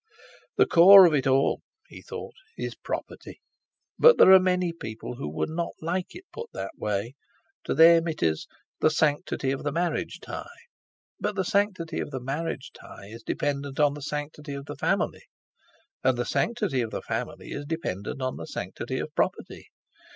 "The core of it all," he thought, "is property, but there are many people who would not like it put that way. To them it is 'the sanctity of the marriage tie'; but the sanctity of the marriage tie is dependent on the sanctity of the family, and the sanctity of the family is dependent on the sanctity of property.